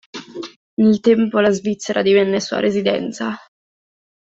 Nel tempo la Svizzera divenne sua residenza.